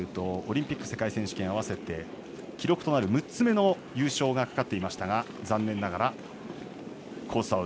回転に関して言うとオリンピック、世界選手権合わせて記録となる６つ目の優勝がかかってましたが残念ながらコース